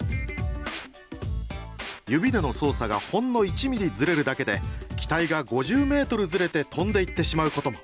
指での操作がほんの１ミリずれるだけで機体が５０メートルずれて飛んでいってしまうことも！